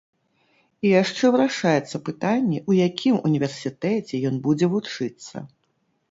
І яшчэ вырашаецца пытанне, у якім універсітэце ён будзе вучыцца.